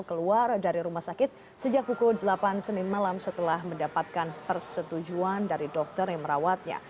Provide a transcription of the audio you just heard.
keluar dari rumah sakit sejak pukul delapan senin malam setelah mendapatkan persetujuan dari dokter yang merawatnya